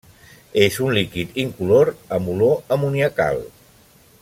És un líquid incolor amb olor amoniacal.